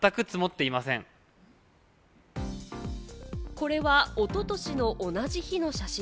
これはおととしの同じ日の写真。